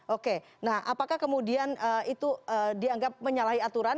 oke nah apakah kemudian itu dianggap menyalahi aturan